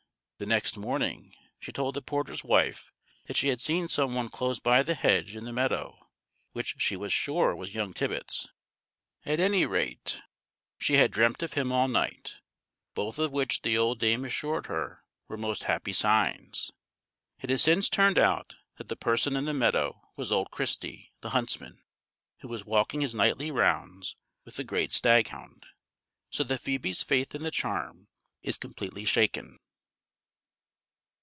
The next morning she told the porter's wife that she had seen some one close by the hedge in the meadow, which she was sure was young Tibbets; at any rate, she had dreamt of him all night; both of which, the old dame assured her, were most happy signs. It has since turned out that the person in the meadow was old Christy, the huntsman, who was walking his nightly rounds with the great staghound; so that Phoebe's faith in the charm is completely shaken.